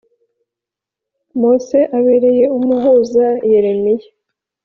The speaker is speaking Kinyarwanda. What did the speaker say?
Mose abereye umuhuza Yeremiya